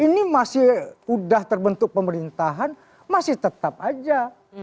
ini masih udah terbentuk pemerintahan masih tetap aja